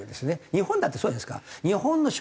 日本だってそうじゃないですか。